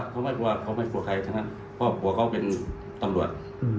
เขาไม่กลัวใครนะครับเพราะกลัวเขาเป็นตำรวจ